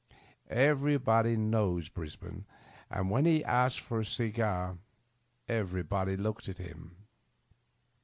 Everybody knows Bris bane, and when he asked for a cigar everybody looked at him.